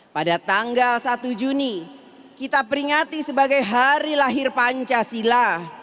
pada tanggal satu juni kita peringati sebagai hari lahir pancasila